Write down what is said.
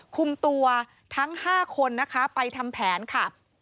คุมตัวทั้ง๕คนนะคะไปทำแผนค่ะ